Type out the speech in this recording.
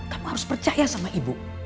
kamu harus percaya sama ibu